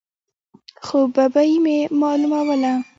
خو ببۍ مې معلوموله.